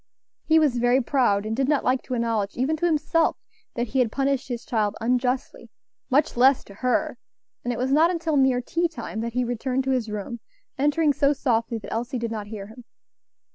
He was very proud, and did not like to acknowledge even to himself that he had punished his child unjustly much less to her; and it was not until near tea time that he returned to his room, entering so softly that Elsie did not hear him.